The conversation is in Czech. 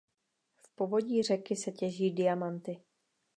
V povodí řeky se těží diamanty.